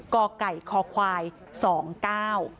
ก่อกไก่คอควาย๒ก้าว